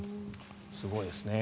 すごいですね。